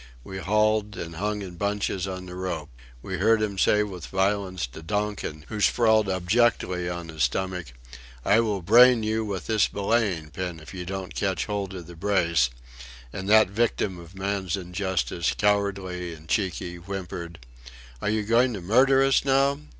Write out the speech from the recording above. We hauled and hung in bunches on the rope. We heard him say with violence to Donkin, who sprawled abjectly on his stomach, "I will brain you with this belaying pin if you don't catch hold of the brace," and that victim of men's injustice, cowardly and cheeky, whimpered: "Are you goin' to murder us now?"